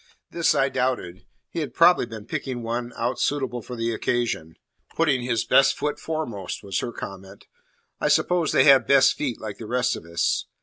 This I doubted; he had probably been picking one out suitable for the occasion. "Putting his best foot foremost," was her comment; "I suppose they have best feet, like the rest of us."